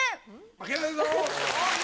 負けないぞ。